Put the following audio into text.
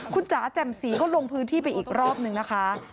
คุณจ๋าแจ่มสีก็ลงพื้นที่ไปอีกรอบนึงนะคะ